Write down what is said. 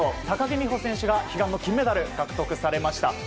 高木美帆選手が悲願の金メダル獲得されました。